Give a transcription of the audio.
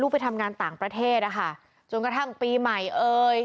ไปทำงานต่างประเทศอะค่ะจนกระทั่งปีใหม่เอ่ย